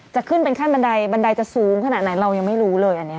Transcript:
จะขึ้นเป็นขั้นบันไดบันไดจะสูงขนาดไหนเรายังไม่รู้เลยอันนี้